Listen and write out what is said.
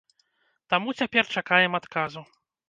Таму цяпер чакаем адказу.